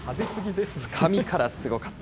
つかみからすごかった。